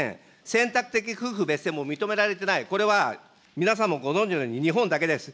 選択的夫婦別姓も認められてない、これは皆さんもご存じのように日本だけです。